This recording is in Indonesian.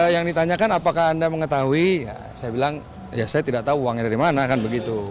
yang ditanyakan apakah anda mengetahui saya bilang ya saya tidak tahu uangnya dari mana kan begitu